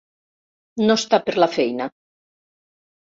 No està per la feina.